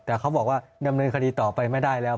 แต่เขาบอกว่าดำเนินคดีต่อไปไม่ได้แล้ว